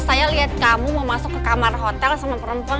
saya lihat kamu mau masuk ke kamar hotel sama perempuan